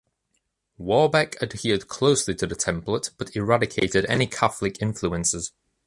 Warbeck adhered closely to the template, but eradicated any Catholic influences.